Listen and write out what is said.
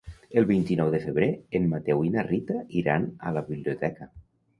El vint-i-nou de febrer en Mateu i na Rita iran a la biblioteca.